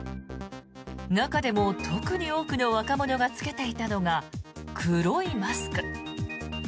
中でも特に多くの若者が着けていたのが黒いマスク。